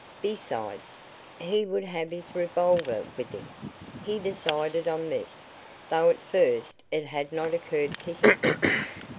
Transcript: Besides, he would have his revolver with him. He decided on this, though at first it had not occurred to him.